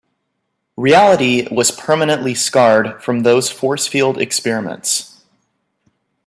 Reality was permanently scarred from those force field experiments.